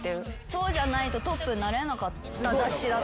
そうじゃないとトップになれなかった雑誌だったから。